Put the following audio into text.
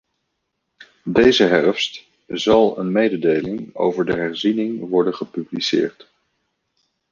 Deze herfst zal een mededeling over de herziening worden gepubliceerd.